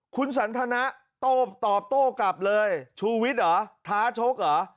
คุณสันทนะโตตอบโต้กลับเลยชูวิทย์เหรอท้าชกเหรอ